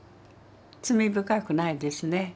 罪深くないですね。